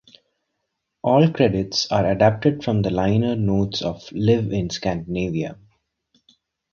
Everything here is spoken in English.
All credits are adapted from the liner notes of "Live in Scandinavia".